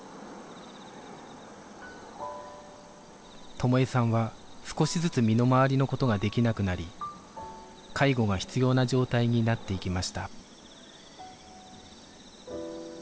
友枝さんは少しずつ身の回りのことができなくなり介護が必要な状態になっていきました